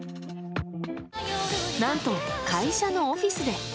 何と、会社のオフィスで。